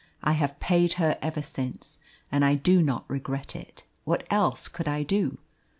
I have paid her ever since, and I do not regret it. What else could I do?